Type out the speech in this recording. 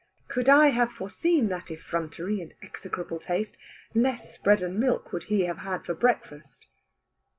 Could I have foreseen that effrontery and execrable taste, less bread and milk would he have had for breakfast.